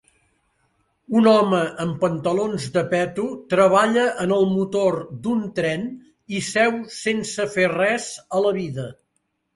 Un home amb pantalons de peto treballa en el motor d'un tren i seu sense fer res a la vida.